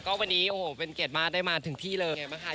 ก็วันนี้โอ้โหเป็นเกรดมาร์ซได้มาถึงที่เลย